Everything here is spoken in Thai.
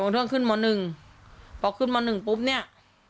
ถึงกลงทั้งขึ้นม๑ม๑ปุ๊บเนี่ย